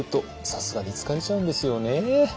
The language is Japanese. さすがに疲れちゃうんですよね。